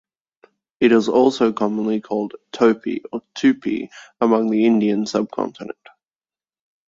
It is also commonly called a "topi" or "tupi" among the Indian subcontinent.